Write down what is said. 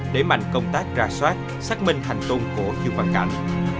để mạnh công tác ra soát xác minh hành tùng của dương văn cảnh